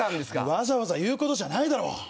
わざわざ言うことじゃないだろ！